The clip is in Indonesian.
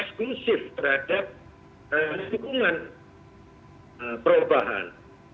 eksklusif terhadap dukungan perubahan